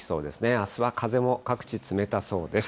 あすは風も各地、冷たそうです。